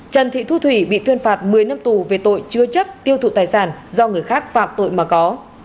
trần thị thu thủy bị tuyên phạt một mươi năm tù về tội chứa chấp tiêu thụ tài sản do người khác phạm tội mà có